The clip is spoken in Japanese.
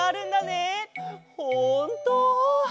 ほんと！